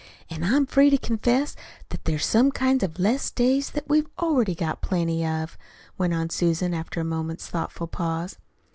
"An' I'm free to confess that there's some kinds of 'less days that we've already got plenty of," went on Susan, after a moment's thoughtful pause.